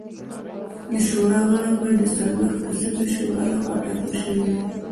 د شورا غړي باید د څلوېښت کسیزې شورا لخوا ټاکل شوي وای